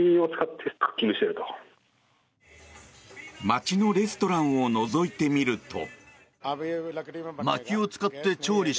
街のレストランをのぞいてみると。